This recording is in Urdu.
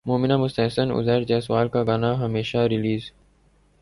مومنہ مستحسن عزیر جسوال کا گانا ہمیشہ ریلیز